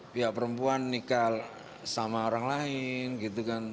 pihak perempuan nikah sama orang lain gitu kan